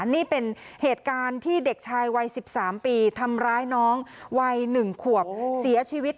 นี่เป็นเหตุการณ์ที่เด็กชายวัย๑๓ปีทำร้ายน้องวัย๑ขวบเสียชีวิต